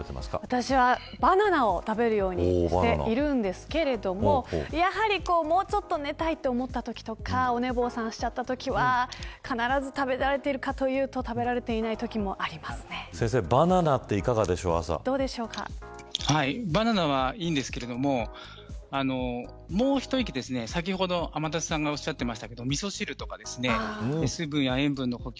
私はバナナを食べるようにしているんですけれどもやはりもうちょっと寝たいと思ったときとかお寝坊さんしちゃったときは必ず食べられているかというと食べられていないときも先生、朝、バナナというのはバナナはいいんですけどもう一息先ほど天達さんがおっしゃってましたけどみそ汁とか水分や塩分の補給。